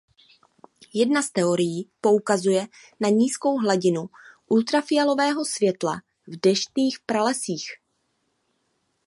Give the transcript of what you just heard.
Jedna z teorií poukazuje na nízkou hladinu ultrafialového světla v deštných pralesích.